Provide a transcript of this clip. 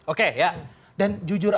oke ya dan jujur